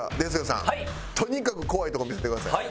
さんとにかく怖いとこ見せてください。